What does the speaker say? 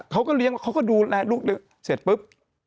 เขาก็ดูแล้วลูกเสร็จปุ๊บ